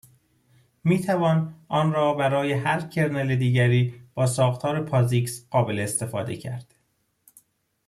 میتوان آن را برای هر کرنل دیگری با ساختار پازیکس قابل استفاده کرد